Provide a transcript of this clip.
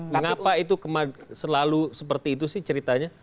mengapa itu selalu seperti itu sih ceritanya